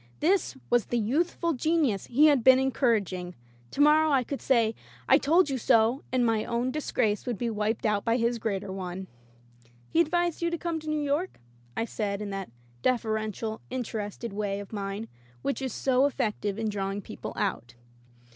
This was the youthful genius he had been encouraging! To morrow I could say, "I told you so," and my own dis grace would be wiped out by his greater one. "He advised you to come to New York ?" I said in that deferential, interested way of mine which is so effective in drawing people out.